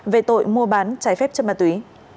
về tội mua bán trái phép chất ma túy